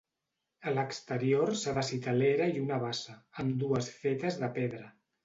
A l'exterior s'ha de citar l'era i una bassa, ambdues fetes de pedra.